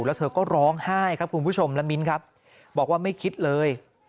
แล้วเธอก็ร้องไห้ครับคุณผู้ชมและมิ้นครับบอกว่าไม่คิดเลย